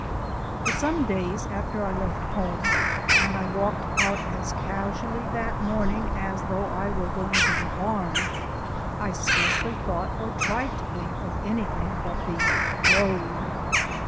For some days after I left home and I walked out as casually that morning as though I were going to the barn I scarcely thought or tried to think of anything but the Road.